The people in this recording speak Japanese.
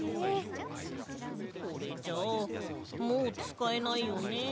これじゃあもうつかえないよね？